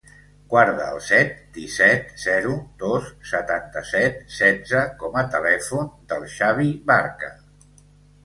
Guarda el set, disset, zero, dos, setanta-set, setze com a telèfon del Xavi Barca.